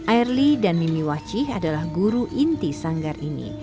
airly dan mimi waci adalah guru inti sanggar ini